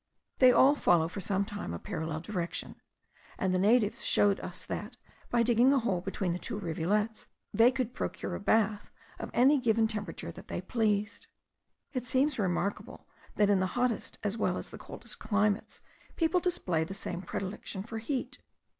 They all follow for some time a parallel direction; and the natives showed us that, by digging a hole between the two rivulets, they could procure a bath of any given temperature they pleased. It seems remarkable, that in the hottest as well as the coldest climates, people display the same predilection for heat.